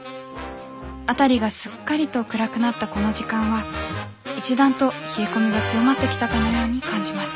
辺りがすっかりと暗くなったこの時間は一段と冷え込みが強まってきたかのように感じます。